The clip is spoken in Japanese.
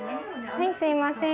はいすいません。